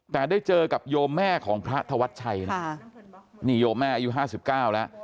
แต่ได้เจอกับโยมแม่ของพระธวัดชัยนี่โยมแม่อายุห้าสิบเก้าแล้ว